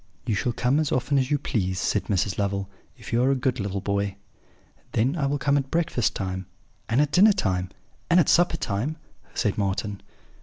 "'You shall come as often as you please,' said Mrs. Lovel, 'if you are a good little boy.' "'Then I will come at breakfast time, and at dinner time, and at supper time,' said Marten.